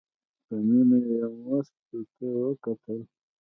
په مینه یې مستو ته وکتل.